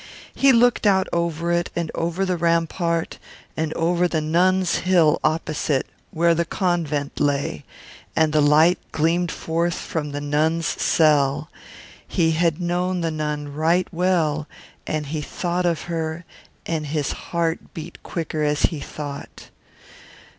He looked out over it, and over the rampart, and over the nuns' hill opposite, where the convent lay, and the light gleamed forth from the nun's cell. He had known the nun right well, and he thought of her, and his heart beat quicker as he thought.